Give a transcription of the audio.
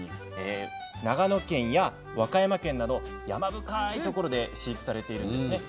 長野県や和歌山県など山深い所で飼育されているんです。